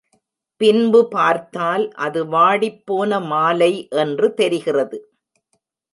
பின்பு பார்த்தால் அது வாடிப்போன மாலை என்று தெரிகிறது.